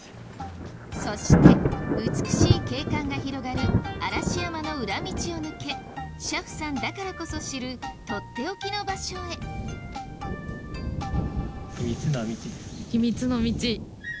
そして美しい景観が広がる嵐山の裏道を抜け車夫さんだからこそ知るとっておきの場所へ秘密の道！